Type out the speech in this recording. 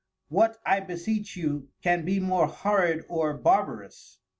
What I beseech you, can be more horrid or barbarous?